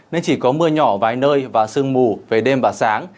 nên chỉ có mưa nhỏ vài nơi và sương mù về đêm và sáng